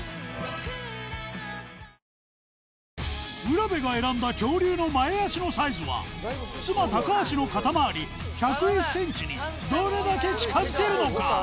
卜部が選んだ恐竜の前脚のサイズは妻高橋の肩回り１０１ｃｍにどれだけ近づけるのか？